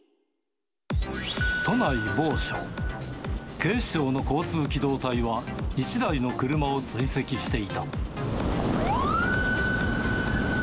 警視庁の交通機動隊は、１台の車を追跡していた。